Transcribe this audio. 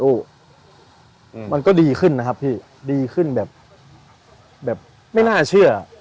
มันก็ดีขึ้นนะครับพี่ดีขึ้นแบบแบบไม่น่าเชื่อ